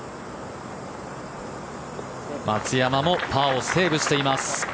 松山もパーをセーブしています。